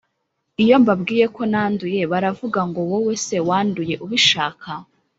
Iyo mbabwiye ko nanduye baravuga ngo wowe se wanduye ubishaka